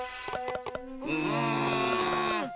うん！